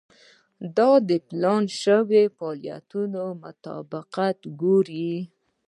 دا د پلان شوو فعالیتونو مطابقت ګوري.